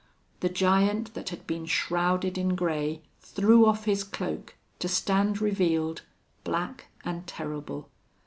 The giant that had been shrouded in gray threw off his cloak, to stand revealed, black and terrible.